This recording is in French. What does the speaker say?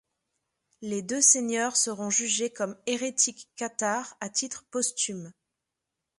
Les deux seigneurs seront jugés comme hérétiques cathares à titre posthume.